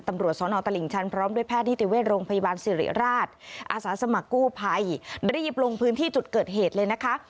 บริษัทสมัครกู้ภัยรีบลงพื้นที่จุดเกิดเหตุเลยนะคะ